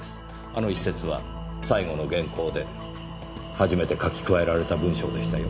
あの一節は最後の原稿で初めて書き加えられた文章でしたよ。